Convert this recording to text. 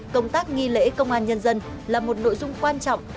công tác nghi lễ công an nhân dân là một nội dung quan trọng